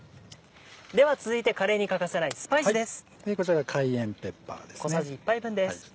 では続いてカレーに欠かせないスパイスです。